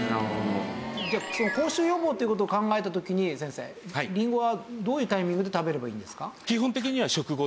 じゃあ口臭予防っていう事を考えた時に先生りんごはどういうタイミングで食べればいいんですか？